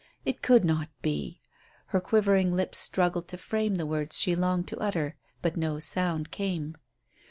It could not be. Her quivering lips struggled to frame the words she longed to utter, but no sound came.